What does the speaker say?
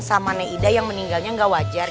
sama nenek ida yang meninggalnya gak wajar